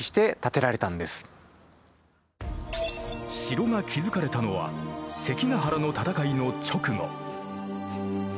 城が築かれたのは関ヶ原の戦いの直後。